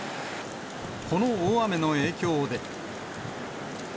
この大雨の影響で。